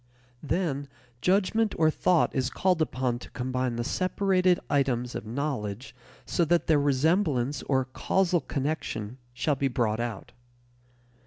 Then judgment or thought is called upon to combine the separated items of "knowledge" so that their resemblance or causal connection shall be brought out.